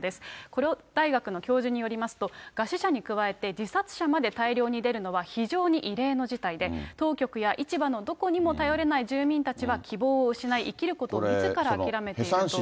コリョ大学の教授によりますと、餓死者に加えて自殺者まで大量に出るのは、非常に異例の事態で、当局や市場のどこにも頼れない住民たちは希望を失い、生きることをみずから諦めていると。